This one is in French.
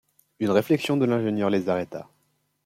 Une réflexion de l’ingénieur les arrêta.